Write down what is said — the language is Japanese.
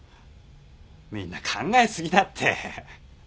みんな考え過ぎだって。